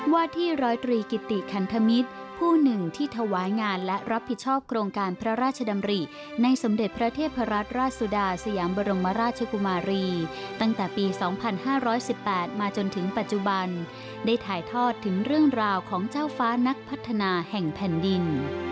ว่าที่ร้อยตรีกิติคันธมิตรผู้หนึ่งที่ถวายงานและรับผิดชอบโครงการพระราชดำริในสมเด็จพระเทพรัตนราชสุดาสยามบรมราชกุมารีตั้งแต่ปี๒๕๑๘มาจนถึงปัจจุบันได้ถ่ายทอดถึงเรื่องราวของเจ้าฟ้านักพัฒนาแห่งแผ่นดิน